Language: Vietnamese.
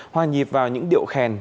hoa nhịp vào những điệu khen